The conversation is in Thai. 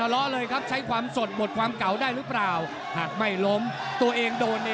และหัวหน้ามาต่อเลย